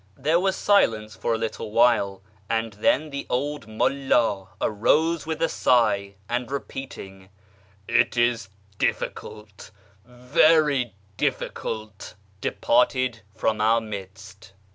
There was silence for a little while, and then the old mulld arose with a sigh, and repeating, " It is diliicult, very difficult," departed from our midst.